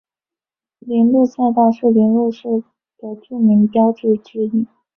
铃鹿赛道是铃鹿市的著名标志之一。